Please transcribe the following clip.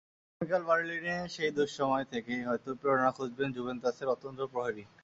আগামীকাল বার্লিনে সেই দুঃসময় থেকেই হয়তো প্রেরণা খুঁজবেন জুভেন্টাসের অতন্দ্র প্রহরী।